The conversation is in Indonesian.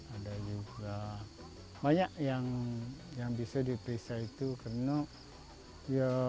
ada juga banyak yang bisa diperiksa itu karena ya